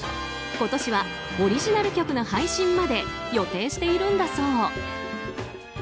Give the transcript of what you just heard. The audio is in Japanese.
今年はオリジナル曲の配信まで予定しているんだそう。